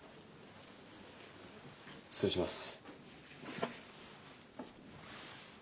失礼します。